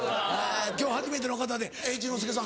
今日初めての方で一之輔さん。